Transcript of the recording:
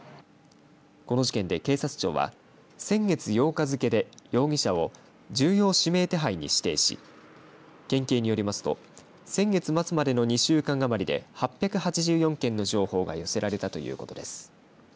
この事件で警察庁は先月８日付けで容疑者を重要指名手配に指定し県警によりますと先月末までの２週間余りで８８４件の情報が寄せられたということです。